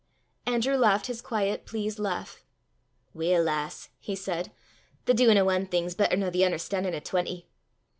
Andrew laughed his quiet pleased laugh. "Weel, lass," he said, "the duin' o' ae thing 's better nor the un'erstan'in' o' twenty.